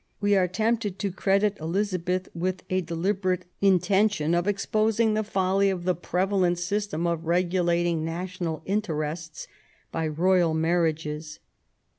We are tempted to credit Elizabeth with a deliberate intention of exposing the folly of the prevalent system of regulat ing national interests by Royal marriages.